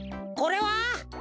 これは？